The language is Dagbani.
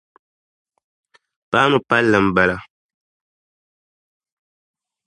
Paanu palli n bala.